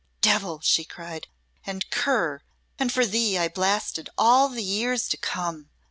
"Devil!" she cried, "and cur! and for thee I blasted all the years to come!